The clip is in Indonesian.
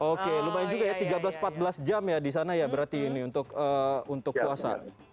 oke lumayan juga ya tiga belas empat belas jam ya di sana ya berarti ini untuk puasa